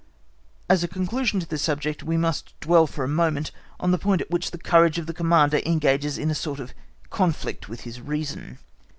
As a conclusion to this subject, we must dwell for a moment on the point at which the courage of the Commander engages in a sort of conflict with his reason.